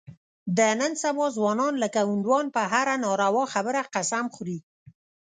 د نن سبا ځوانان لکه هندوان په هره ناروا خبره قسم خوري.